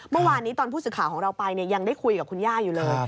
เมื่อวานนี้ตอนผู้สื่อข่าวของเราไปยังได้คุยกับคุณย่าอยู่เลย